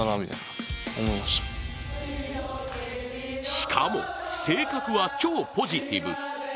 しかも、性格は超ポジティブ。